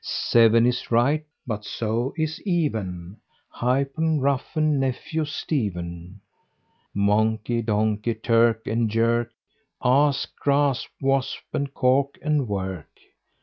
Seven is right, but so is even; Hyphen, roughen, nephew, Stephen; Monkey, donkey; clerk and jerk; Asp, grasp, wasp; and cork and work.